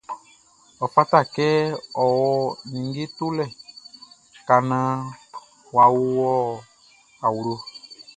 Ɔ fata kɛ e wɔ ninnge tolɛ ka naan yʼa wɔ awlo.